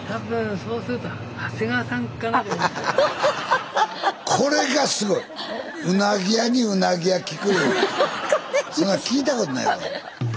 そんなん聞いたことないわ。